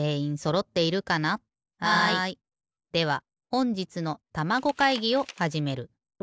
ではほんじつのたまご会議をはじめる。